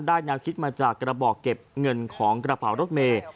แนวคิดมาจากกระบอกเก็บเงินของกระเป๋ารถเมย์